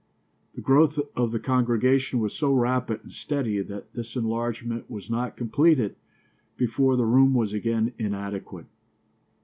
The growth of the congregation was so rapid and steady that this enlargement was not completed before the room was again inadequate.